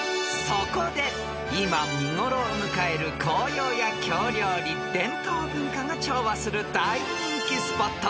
［そこで今見ごろを迎える紅葉や京料理伝統文化が調和する大人気スポット